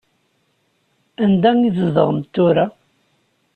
Anda i tzedɣemt tura?